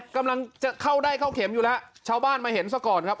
กำลังจะเข้าได้เข้าเข็มอยู่แล้วชาวบ้านมาเห็นซะก่อนครับ